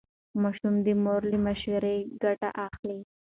ماشوم د مور له مشورې ګټه اخلي.